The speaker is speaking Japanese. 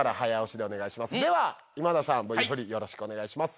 では今田さんＶＴＲ振りよろしくお願いします。